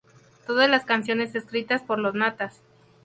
Todas las canciones escritas por Los Natas.